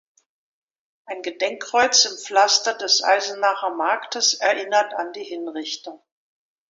Ein Gedenkkreuz im Pflaster des Eisenacher Marktes erinnert an die Hinrichtung.